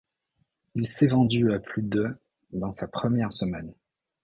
Il s'est vendu à plus de dans sa première semaine.